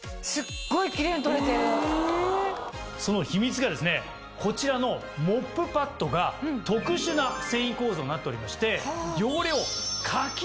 その秘密がですねこちらのモップパッドが。になっておりまして。